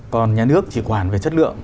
còn nhà nước chỉ quản về chất lượng